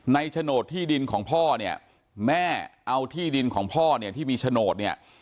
โฉนดที่ดินของพ่อเนี่ยแม่เอาที่ดินของพ่อเนี่ยที่มีโฉนดเนี่ย